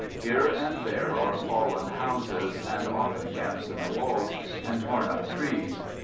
Here and there are fallen houses — and often gaps in the walls — and torn up trees.